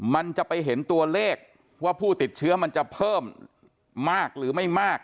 มันจะไปเห็นตัวเลขว่าผู้ติดเชื้อมันจะเพิ่มมากหรือไม่มาก